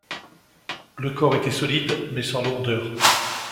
Le corps était solide mais sans lourdeur.